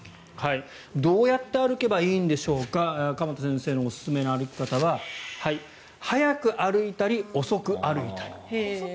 どうやって歩けばいいんでしょうか鎌田先生のおすすめの歩き方は速く歩いたり遅く歩いたり。